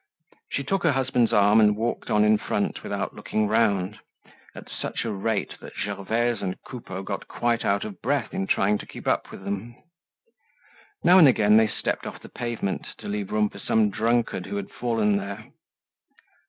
She took her husband's arm, and walked on in front without looking round, at such a rate, that Gervaise and Coupeau got quite out of breath in trying to keep up with them. Now and again they stepped off the pavement to leave room for some drunkard who had fallen there.